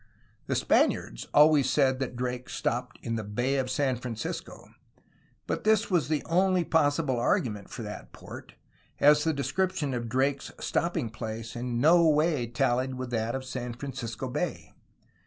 The Spaniards always said that Drake stopped in the ''Bay of San Francisco,'' but this was the only possible argument for that port, as the description of Drake's stopping place in no way tallied with that of San Francisco Bay.